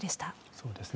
そうですね。